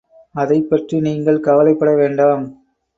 அதைப்பற்றி நீங்கள் கவலைப்படவேண்டாம்.